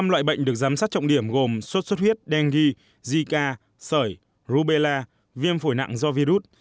năm loại bệnh được giám sát trọng điểm gồm sốt xuất huyết dengue zika sởi rubella viêm phổi nặng do virus